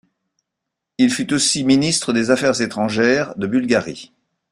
Il fut aussi ministre des Affaires étrangères de Bulgarie.